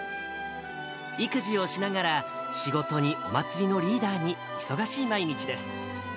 育児をしながら、仕事に、お祭りのリーダーに、忙しい毎日です。